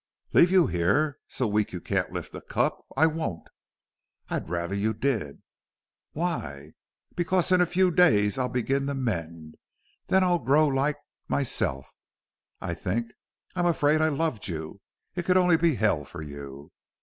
"Leave you here? So weak you can't lift a cup! I won't." "I'd rather you did." "Why?" "Because in a few days I'll begin to mend. Then I'll grow like myself.... I think I'm afraid I loved you.... It could only be hell for you.